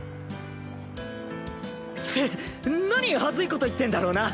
って何恥ずいこと言ってんだろうな。